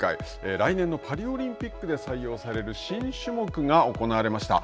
来年のパリオリンピックで採用される新種目が行われました。